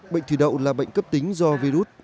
bệnh thủy đậu là bệnh cấp tính do virus